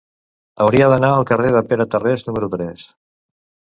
Hauria d'anar al carrer de Pere Tarrés número tres.